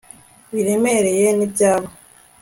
Biremereye nibyabo